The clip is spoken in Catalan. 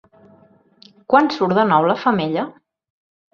Quan surt de nou la femella?